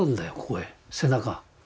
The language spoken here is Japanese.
ここへ背中。